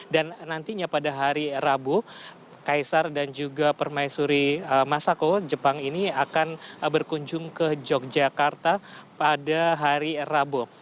dan nantinya pada hari rabu kaisar dan juga permaisuri masako jepang ini akan berkunjung ke yogyakarta pada hari rabu